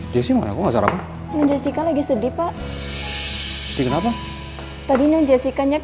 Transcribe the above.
ya udah makasih banyak ya